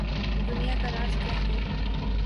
دنیا کا راز کیا ہے؟